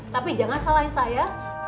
tapi jangan salahin saya